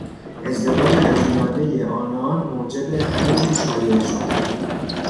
ازدواج عجولانه آنان موجب همهجور شایعه شد.